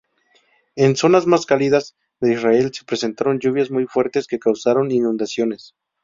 En zonas más cálidas de Israel se presentaron lluvias muy fuertes que causaron inundaciones.